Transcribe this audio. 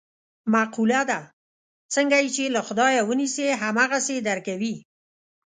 مقوله ده: څنګه یې چې له خدایه و نیسې هم هغسې یې در کوي.